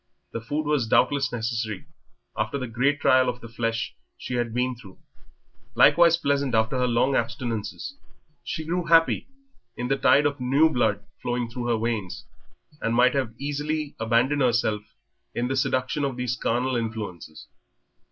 The food was doubtless necessary after the great trial of the flesh she had been through, likewise pleasant after her long abstinences. She grew happy in the tide of new blood flowing in her veins, and might easily have abandoned herself in the seduction of these carnal influences.